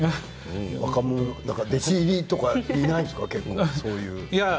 若者、弟子入りとかいないですか。